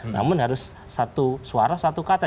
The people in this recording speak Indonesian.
namun harus satu suara satu kata